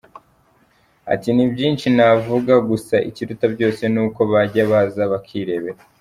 Ati “Ni byinshi navuga gusa ikiruta byose ni uko bajya baza bakirebera.